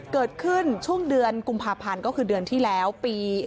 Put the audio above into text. เกิดขึ้นช่วงเดือนกุมภาพันธ์ก็คือเดือนที่แล้วปี